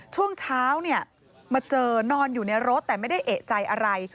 ช่วงเช้ามาเจอนอนอยู่ในรถแต่ไม่ได้เอกใจอะไร